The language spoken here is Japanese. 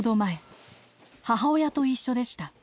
母親と一緒でした。